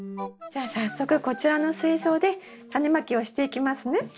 じゃあ早速こちらの水槽でタネまきをしていきますね。